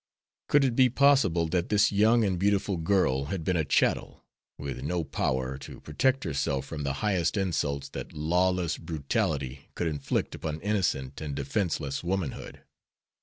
Could it be possible that this young and beautiful girl had been a chattel, with no power to protect herself from the highest insults that lawless brutality could inflict upon innocent and defenseless womanhood?